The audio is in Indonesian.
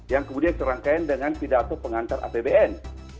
yang kemudian serangkaian dengan pidato pengantar apbn